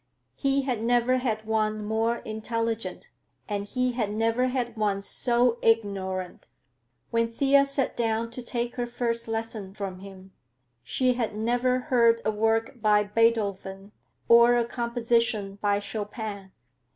He had never had one more intelligent, and he had never had one so ignorant. When Thea sat down to take her first lesson from him, she had never heard a work by Beethoven or a composition by Chopin.